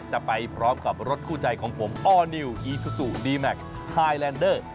จะไปพร้อมกับรถคู่ใจของผมออร์นิวอีซูซูดีแมคไฮแลนเดอร์